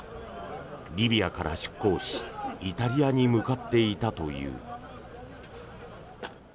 リビアから出航しイタリアに向かっていたという。